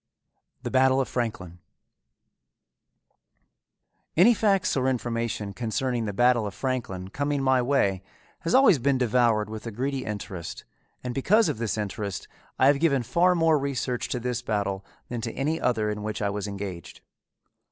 THE BATTLE OF FRANKLIN Any facts or information concerning the Battle of Franklin coming my way has always been devoured with a greedy interest, and because of this interest, I have given far more research to this battle than to any other in which I was engaged.